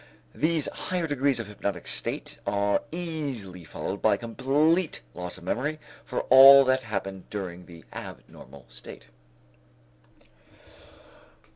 These higher degrees of hypnotic state are easily followed by complete loss of memory for all that happened during the abnormal state.